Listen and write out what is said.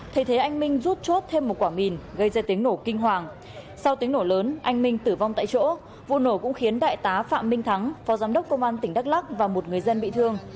thay thế anh minh rút chốt thêm một quả mìn gây ra tiếng nổ kinh hoàng sau tiếng nổ lớn anh minh tử vong tại chỗ vụ nổ cũng khiến đại tá phạm minh thắng phó giám đốc công an tỉnh đắk lắc và một người dân bị thương